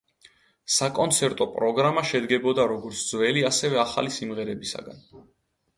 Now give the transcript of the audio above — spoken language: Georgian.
საკონცერტო პროგრამა შედგებოდა როგორც ძველი, ასევე ახალი სიმღერებისგან.